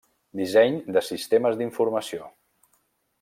Disseny de sistemes d'informació.